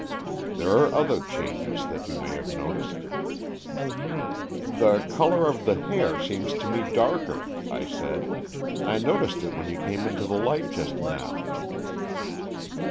There are other changes that you may have noticed." " The colour of the hair seems to me darker," I said. "I noticed it when you came into the light just now."